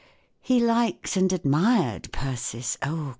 He liked and admired Persis* oh